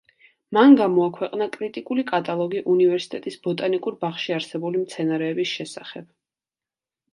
მან გამოაქვეყნა კრიტიკული კატალოგი უნივერსიტეტის ბოტანიკურ ბაღში არსებული მცენარეების შესახებ.